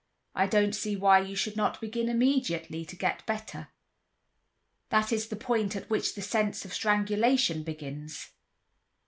I don't see why you should not begin immediately to get better. That is the point at which the sense of strangulation begins?"